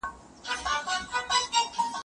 کوم فزیکي حرکتونه د ذهن د خوښۍ هارمونونه زیاتوي؟